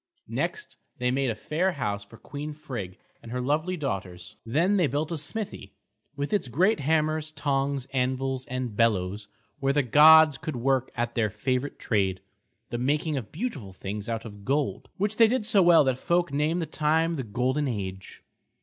Next they made a fair house for Queen Frigg and her lovely daughters. Then they built a smithy, with its great hammers, tongs, anvils, and bellows, where the gods could work at their favourite trade, the making of beautiful things out of gold; which they did so well that folk name that time the Golden Age.